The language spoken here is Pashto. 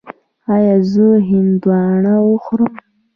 ایا زه هندواڼه وخورم؟